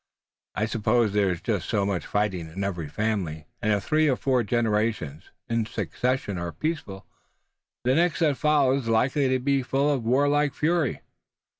"I suppose there's just so much fighting in every family, and if three or four generations in succession are peaceful the next that follows is likely to be full of warlike fury.